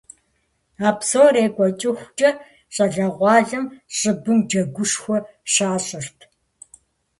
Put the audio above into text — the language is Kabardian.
А псор екӀуэкӀыхукӀэ, щӀалэгъуалэм щӀыбым джэгушхуэ щащӀырт.